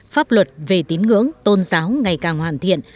pháp luật về tín ngưỡng tôn giáo ngày càng hoàn thiện